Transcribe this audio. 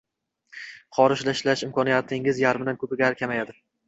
xorijda ishlash imkoniyatlaringiz yarmidan ko’piga kamayadi